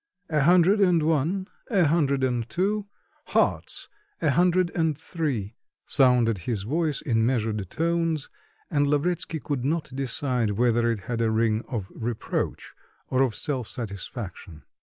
"A hundred and one, a hundred and two, hearts, a hundred and three," sounded his voice in measured tones, and Lavretsky could not decide whether it had a ring of reproach or of self satisfaction.